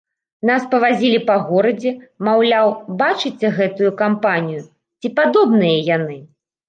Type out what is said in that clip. Нас павазілі па горадзе, маўляў, бачыце гэтую кампанію, ці падобныя яны?